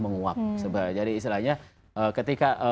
menguap jadi istilahnya ketika